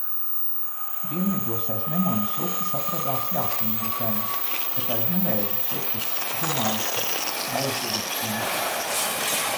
Dienvidos aiz Nemunas upes atradās jātvingu zemes, bet aiz Nevēžas upes žemaišu Gaižuvas zeme.